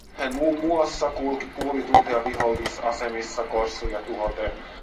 Hän muun muassa kulki puoli tuntia vihollisasemissa korsuja tuhoten